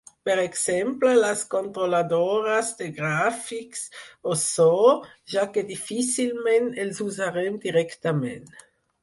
Per exemple les controladores de gràfics o so, ja que difícilment els usarem directament.